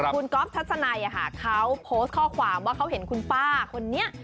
คุณก๊อฟทัศนัยเขาโพสต์ข้อความว่าเขาเห็นคุณป้าคนนี้